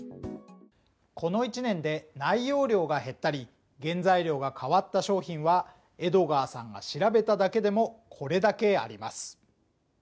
この１年で内容量が減ったり、原材料が変わった商品はエドガーさんが調べただけでもこれだけあります。